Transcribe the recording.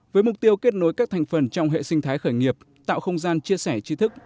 với mục tiêu kết nối các thành phần trong hệ sinh thái khởi nghiệp tạo không gian chia sẻ chi thức